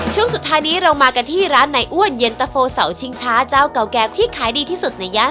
ช่วงสุดท้ายนี้เรามากันที่ร้านไหนอ้วนเย็นตะโฟเสาชิงช้าเจ้าเก่าแก่ที่ขายดีที่สุดในย่าน